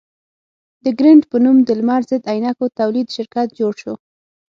د ګرېنټ په نوم د لمر ضد عینکو تولید شرکت جوړ شو.